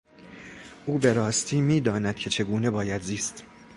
او بهراستی میداند که چگونه باید زیست.